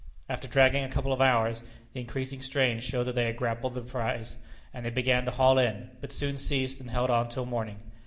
After dragging a couple of hours, the increasing strain showed that they had grappled the prize, and they began to haul in, but soon ceased, and held on till morning.